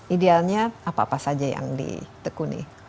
idealnya apa apa saja yang ditekuni